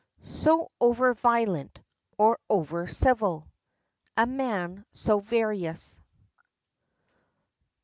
"So over violent, or over civil!" "A man so various."